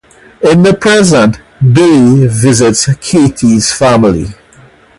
In the present, Billy visits Katie's family.